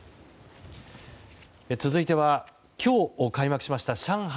続いては、今日開幕した上海